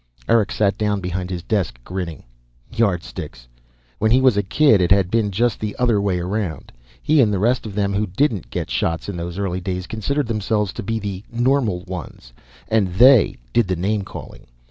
Eric sat down behind his desk, grinning. Yardsticks. When he was a kid it had been just the other way around. He and the rest of them who didn't get shots in those early days considered themselves to be the normal ones. And they did the name calling.